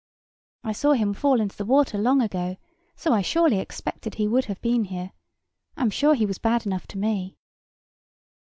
I saw him fall into the water long ago; so I surely expected he would have been here. I'm sure he was bad enough to me."